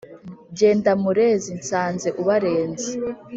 Jyenda murezi nsanze ubarenze !